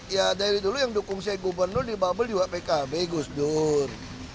ya dari dulu yang dukung saya gubernur di bubble juga pkb gus dur